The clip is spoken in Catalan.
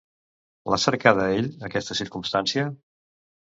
L'ha cercada ell, aquesta circumstància?